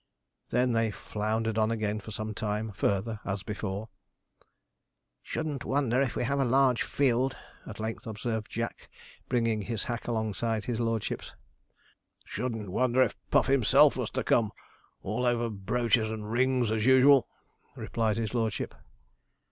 They then floundered on again for some time further as before. 'Shouldn't wonder if we have a large field,' at length observed Jack, bringing his hack alongside his lordship's. 'Shouldn't wonder if Puff himself was to come all over brooches and rings as usual,' replied his lordship.